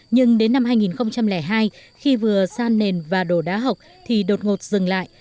nhưng đến năm hai nghìn hai khi vừa san nền và đổ đá học thì đột ngột dừng lại